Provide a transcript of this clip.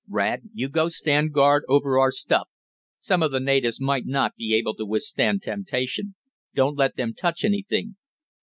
"Rad, you go stand guard over our stuff. Some of the natives might not be able to withstand temptation. Don't let them touch anything."